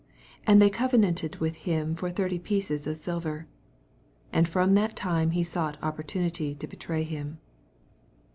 And thej covenanterl witb him for thirty pieces of silver. 16 And from that time he sought opportnnity to betray him.